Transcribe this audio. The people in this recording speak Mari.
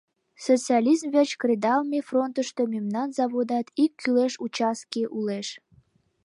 Социализм верч кредалме фронтышто мемнан заводат ик кӱлеш участке улеш.